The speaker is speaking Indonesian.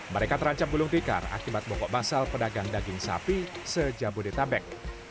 mereka terancam bulung tikar akibat pokok basal pedagang daging sapi sejak budi tamek